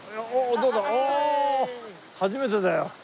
初めてだよ。